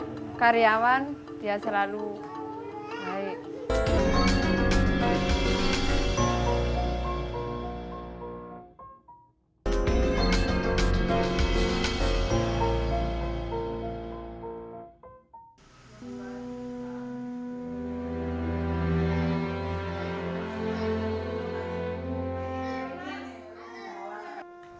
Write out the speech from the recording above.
dia orangnya baik